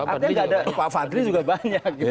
artinya nggak ada pak fadli juga banyak